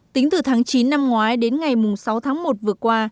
tính từ tháng chín năm ngoái đến ngày sáu tháng một vừa qua